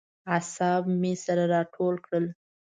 اعصاب مې سره راټول کړل.